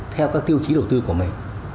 theo các tiêu chí đầu tư của mình